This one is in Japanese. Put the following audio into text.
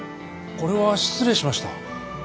これは失礼しました。